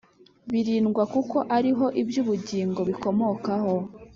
birindwa Kuko ari ho iby ubugingo bikomokaho